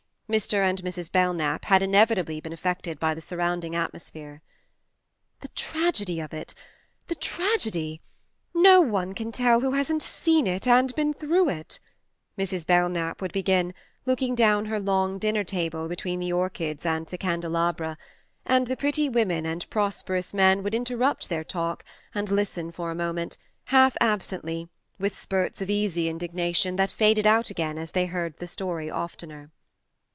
Mr. and Mrs. Belknap had inevit ably been affected by the surrounding atmosphere. "The tragedy of it the tragedy no one can tell who hasn't seen it and been through it," Mrs. Belknap would begin, looking down her long dinner table between the orchids and the candelabra ; and the pretty women and prosperous men would interrupt their talk, and listen for a moment, half absently, with spurts of easy indigna THE MARNE 39 tion that faded out again as they heard the story oftener.